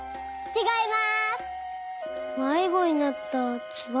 ちがいます。